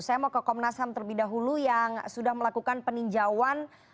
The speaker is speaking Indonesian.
saya mau ke komnas ham terlebih dahulu yang sudah melakukan peninjauan